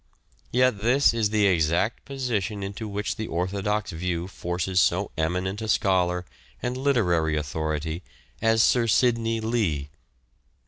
Yet this is the exact position into which the orthodox view forces so eminent a scholar and literary authority as Sir Sidney Lee.